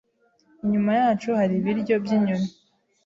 Inyuma yacu hari ibiryo byinyoni.